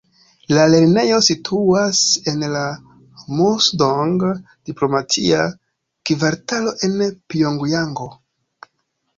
La lernejo situas en la Munsudong diplomatia kvartalo en Pjongjango.